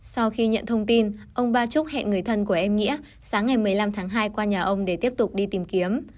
sau khi nhận thông tin ông ba trúc hẹn người thân của em nghĩa sáng ngày một mươi năm tháng hai qua nhà ông để tiếp tục đi tìm kiếm